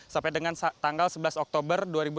sampai dengan tanggal sebelas oktober